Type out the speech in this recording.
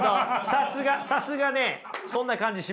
さすがさすがねそんな感じしました。